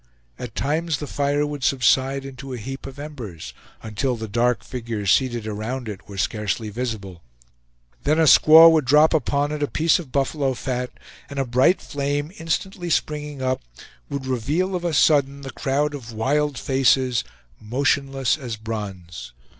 At times the fire would subside into a heap of embers, until the dark figures seated around it were scarcely visible; then a squaw would drop upon it a piece of buffalo fat, and a bright flame, instantly springing up, would reveal of a sudden the crowd of wild faces, motionless as bronze.